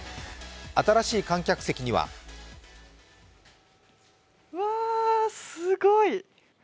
新しい観客席にはうわ、すごい。